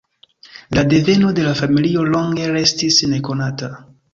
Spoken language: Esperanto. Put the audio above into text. La deveno de la familio longe restis nekonata.